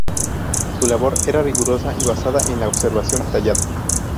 Su labor era rigurosa y basada en la observación detallada.